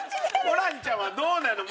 ホランちゃんはどうなの？